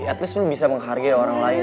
at least lo bisa menghargai orang lain